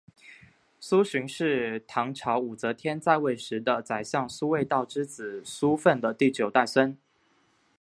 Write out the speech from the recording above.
苏洵是唐朝武则天在位时的宰相苏味道之子苏份的第九代孙。